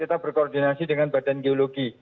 kita berkoordinasi dengan badan geologi